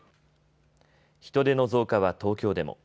人出の増加は東京でも。